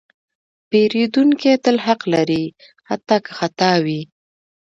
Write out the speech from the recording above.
پیرودونکی تل حق لري، حتی که خطا وي.